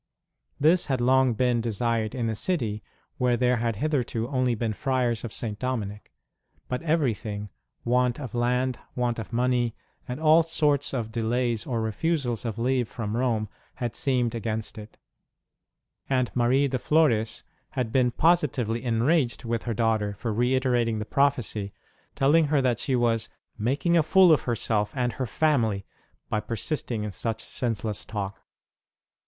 This had long been desired in the city, where there had hitherto only been Friars of St. Dominic ; but everything want of land, want of money, and all sorts of delays or refusals of leave from Rome had seemed against it ; and Marie de Flores had been positively enraged with her daughter for reiterating the prophecy, telling her ROSE ENDOWED WITH A PROPHETIC SPIRIT 127 that she was making a fool of herself and her family by persisting in such senseless talk.